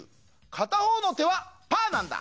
かたほうのてはパーなんだ！